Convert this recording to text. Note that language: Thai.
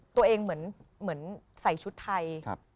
ตัวเองเหมือนใส่ชุดไทย